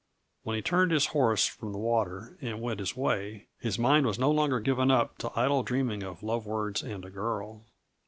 When he turned his horse from the water and went his way, his mind was no longer given up to idle dreaming of love words and a girl.